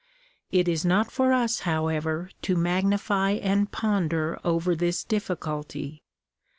It is not for us, however, to magnify and ponder over this difficulty.